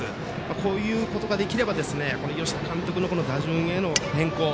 こういうことができれば吉田監督の打順の変更